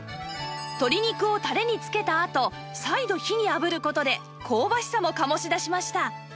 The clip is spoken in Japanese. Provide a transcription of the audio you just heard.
鶏肉をタレにつけたあと再度火にあぶる事で香ばしさも醸し出しました